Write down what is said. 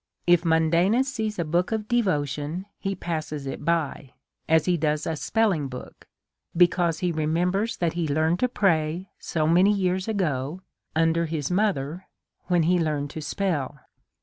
If Mundanus sees a book of devotion, he passes it by as he does a spelling book, because he remembers that he learned to pray so many years ago under his mother, when he learned to spell.